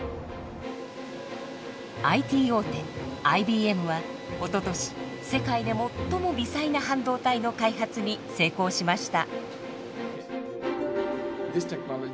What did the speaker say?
ＩＴ大手ＩＢＭはおととし世界で最も微細な半導体の開発に成功しました。